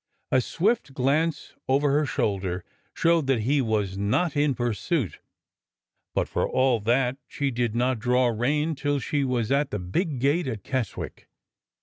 A swift glance over her shoulder showed that he was not in pur suit ; but, for all that, she did not draw rein till she was at the big gate of Keswick.